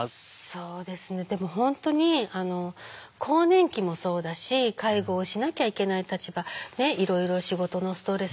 そうですねでも本当に更年期もそうだし介護をしなきゃいけない立場いろいろ仕事のストレス